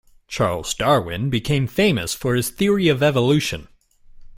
Charles Darwin became famous for his theory of evolution.